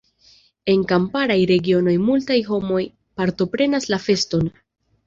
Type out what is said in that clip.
En kamparaj regionoj multaj homoj partoprenas la feston.